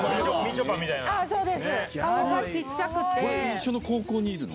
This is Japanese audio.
そうです、一緒の高校にいるの？